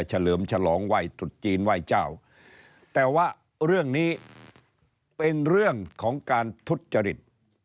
เลิมฉลองไหว้ตรุษจีนไหว้เจ้าแต่ว่าเรื่องนี้เป็นเรื่องของการทุจจริต